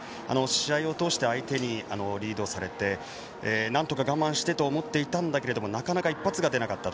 試合を通して相手にリードされてなんとか我慢してと思っていたんだけれどもなかなか一発が出なかった。